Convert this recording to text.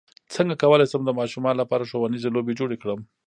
څنګه کولی شم د ماشومانو لپاره ښوونیزې لوبې جوړې کړم